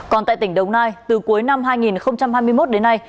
còn tại tỉnh đồng nai từ cuối năm hai nghìn hai mươi một đến nay